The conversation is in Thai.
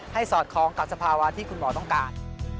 สอดคล้องกับสภาวะที่คุณหมอต้องการ